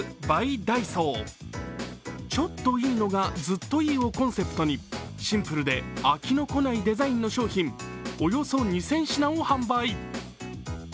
「ちょっといいのが、ずっといい」をコンセプトに、シンプルで飽きのこないデザインの商品、およそ２０００品を販売。